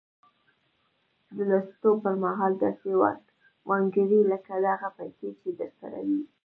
د لوستو پر مهال داسې وانګيرئ لکه دغه پيسې چې درسره وي.